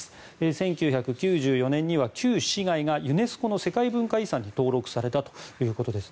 １９９４年には旧市街がユネスコの世界文化遺産に登録されたということです。